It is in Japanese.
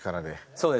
そうです。